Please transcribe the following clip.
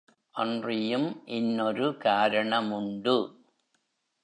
அன்றியும் இன்னொரு காரணமுண்டு.